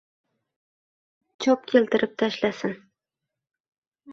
Cho’p keltirib tashlasin».